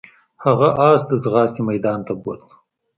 هغه اس ته د ځغاستې میدان ته بوت.